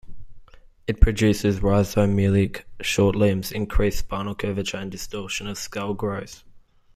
It produces rhizomelic short limbs, increased spinal curvature, and distortion of skull growth.